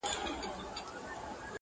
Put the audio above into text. ورو ورو روښان،